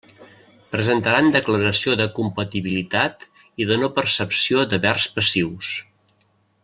Presentaran declaració de compatibilitat i de no percepció d'havers passius.